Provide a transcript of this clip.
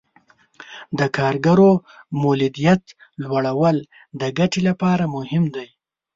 د کارګرو مولدیت لوړول د ګټې لپاره مهم دي.